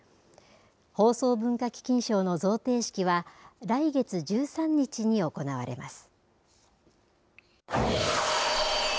放送文化基金賞の贈呈式は来月１３日に行われます。